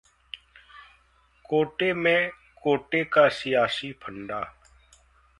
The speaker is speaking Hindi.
कोटे में कोटे का सियासी फंडा